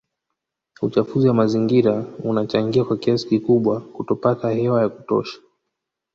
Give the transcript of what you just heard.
Uchafuzi wa mazingira unachangia kwa kiasi kikubwa kutopata hewa ya kutosha